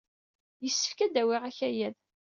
Yessefk ad d-awyeɣ akayad-a.